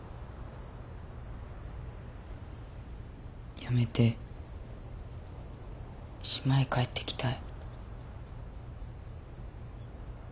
辞めて島へ帰って来たい。